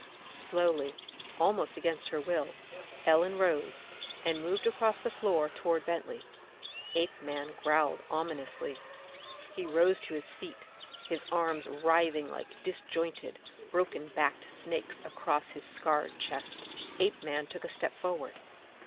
Slowly, almost against her will, Ellen rose and moved across the floor toward Bentley. Apeman growled ominously. He rose to his feet, his arms writhing like disjoined, broken backed snakes across his scarred chest. Apeman took a step forward.